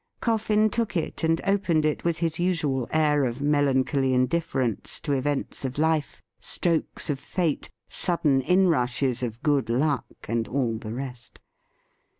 Coffin took it and opened it with his usual air of melan choly indifference to events of life, strokes of fate, sudden inrushes of good luck, and all the rest.